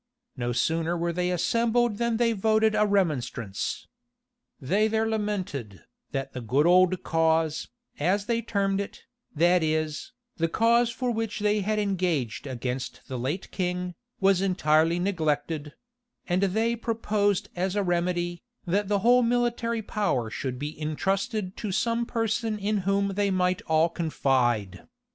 No sooner were they assembled than they voted a remonstrance. They there lamented, that the good old cause, as they termed it, that is, the cause for which they had engaged against the late king, was entirely neglected; and they proposed as a remedy, that the whole military power should be intrusted to some person in whom they might all confide.